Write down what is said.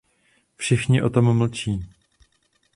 Všichni o tom mlčí.